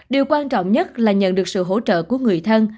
điều quan trọng nhất là nhận được sự hỗ trợ của người thân